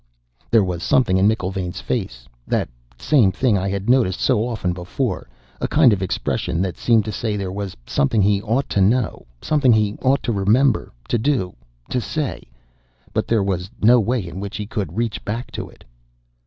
There was something in McIlvaine's face that same thing I had noticed so often before, a kind of expression that seemed to say there was something he ought to know, something he ought to remember, to do, to say, but there was no way in which he could reach back to it."